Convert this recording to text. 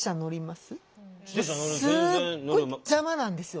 すっごい邪魔なんですよ